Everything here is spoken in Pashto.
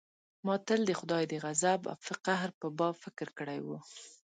ما تل د خداى د غضب او قهر په باب فکر کړى و.